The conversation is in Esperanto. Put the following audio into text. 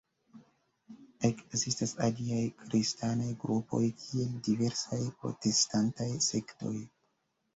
Ekzistas aliaj kristanaj grupoj kiel diversaj protestantaj sektoj.